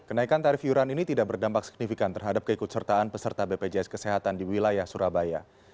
kenaikan tarif iuran ini tidak berdampak signifikan terhadap keikutsertaan peserta bpjs kesehatan di wilayah surabaya